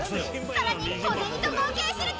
［さらに小銭と合計すると］